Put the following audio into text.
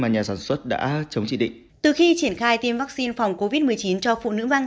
nhà sản xuất đã chống chỉ định từ khi triển khai tiêm vaccine phòng covid một mươi chín cho phụ nữ văn